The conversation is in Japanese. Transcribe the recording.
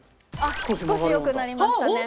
少し良くなりましたね。